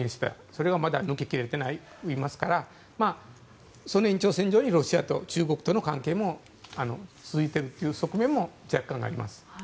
それがまだ抜け切れていませんからその延長線上にロシアと中国との関係も続いているという側面も若干あります。